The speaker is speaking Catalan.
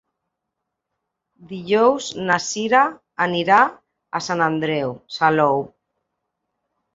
Dijous na Cira anirà a Sant Andreu Salou.